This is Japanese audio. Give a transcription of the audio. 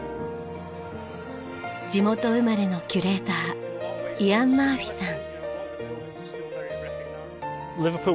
地元生まれのキュレーターイアン・マーフィさん。